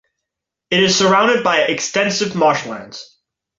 It is surrounded by extensive marshlands.